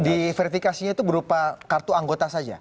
di verifikasinya itu berupa kartu anggota saja